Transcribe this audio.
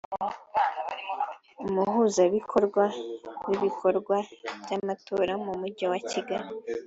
umuhuzabikorwa w’ibikorwa by’amatora mu Mujyi wa Kigali